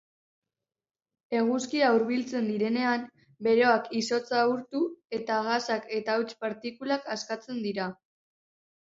Eguzkira hurbiltzen direnean, beroak izotza urtu, eta gasak eta hauts partikulak askatzen dira.